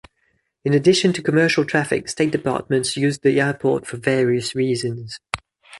In addition to commercial traffic, state departments used the airport for various reasons.